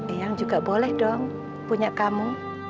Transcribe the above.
eyang juga boleh dong punya kamu